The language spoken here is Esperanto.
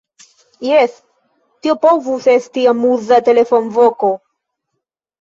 Jes, tio povus esti amuza telefonvoko!